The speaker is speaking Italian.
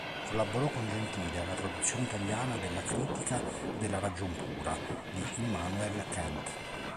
Collaborò con Gentile alla traduzione italiana della "Critica della ragion pura" di Immanuel Kant.